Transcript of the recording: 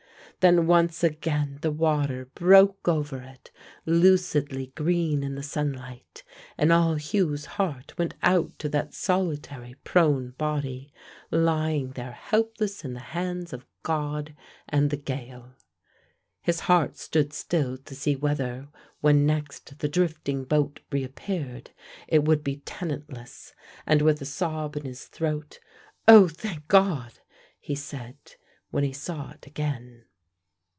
Then once again the water broke over it, lucidly green in the sunlight, and all Hugh's heart went out to that solitary prone body, lying there helpless in the hands of God and the gale. His heart stood still to see whether when next the drifting boat reappeared it would be tenantless, and with a sob in his throat, "Oh, thank God," he said, when he saw it again.